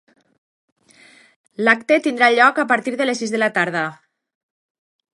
L'acte tindrà lloc a partir de les sis de la tarda….